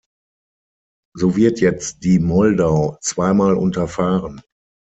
So wird jetzt die Moldau zweimal unterfahren.